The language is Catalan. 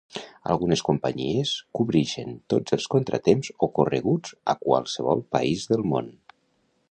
Algunes companyies cobrixen tots els contratemps ocorreguts a qualsevol país del món.